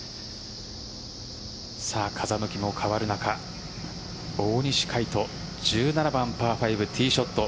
風向きも変わる中大西魁斗、１７番、パー５ティーショット。